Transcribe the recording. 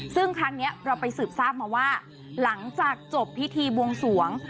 ซึ่งครั้งนี้เราไปสืบทราบมาว่าหลังจากจบพิธีบวงสวง